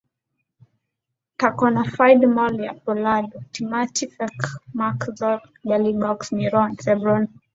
Taconafide BooL wa Poland Timati Feduk Max Korzh Gamora Oxxxymiron Serebro Rompasso Gorky Park